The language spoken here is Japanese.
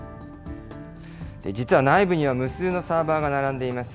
実は内部には無数のサーバーが並んでいます。